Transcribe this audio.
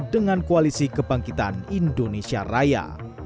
dengan koalisi kebangkitan indonesia raya